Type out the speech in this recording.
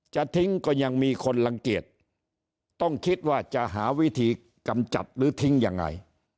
จะทิ้งก็ยังมีคนรังเกียจต้องคิดว่าจะหาวิธีกำจัดหรือทิ้งยังไง